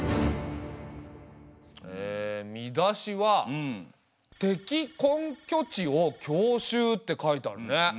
見出しは「敵根拠地を強襲」って書いてあるね。